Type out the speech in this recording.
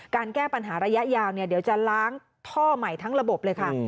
แก้ปัญหาระยะยาวเดี๋ยวจะล้างท่อใหม่ทั้งระบบเลยค่ะ